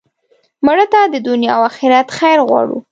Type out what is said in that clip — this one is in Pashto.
مړه ته د دنیا او آخرت خیر غواړو